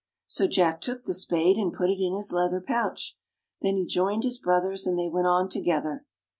So Jack took the Spade and put it in his leather pouch. Then he joined his brothers and they went on together.